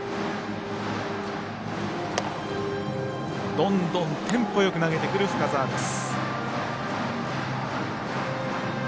どんどんテンポよく投げてくる深沢です。